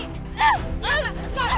lepasin aku mona